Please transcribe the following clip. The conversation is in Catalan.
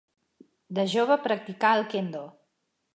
De jove practicà el kendo.